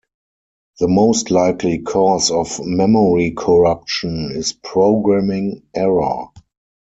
The most likely cause of memory corruption is programming error.